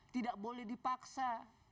tidak boleh dipaksa